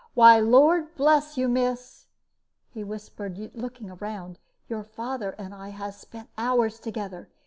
Why, Lord bless you, miss," he whispered, looking round, "your father and I has spent hours together!